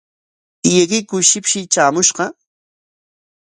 ¿Tiyaykiku shipshi traamushqa?